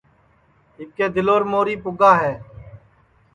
اِٻکے دِلور موری پُگا ہے